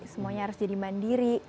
semuanya harus jadi mandiri